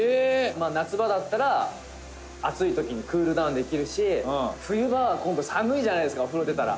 「夏場だったら暑い時にクールダウンできるし冬場は今度、寒いじゃないですかお風呂出たら」